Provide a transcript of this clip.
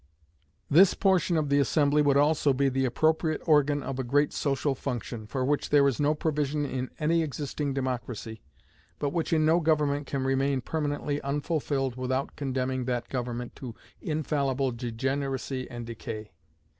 This portion of the assembly would also be the appropriate organ of a great social function, for which there is no provision in any existing democracy, but which in no government can remain permanently unfulfilled without condemning that government to infallible degeneracy and decay.